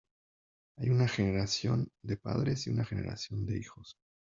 Hay una generación de padres y una generación de hijos.